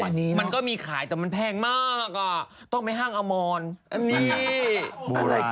ไอ้นี่มันมันวอนนะเอ้าก็ฟังไม่ได้ยิน